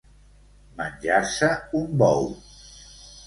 Menjar-se un bou.